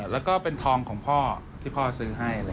แล้วก็เป็นทองของพ่อที่พ่อซื้อให้